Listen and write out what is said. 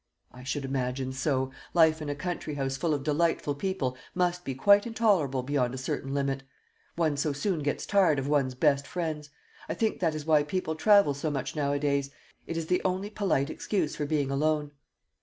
"I should imagine so. Life in a country house full of delightful people must be quite intolerable beyond a certain limit. One so soon gets tired of one's best friends. I think that is why people travel so much nowadays. It is the only polite excuse for being alone."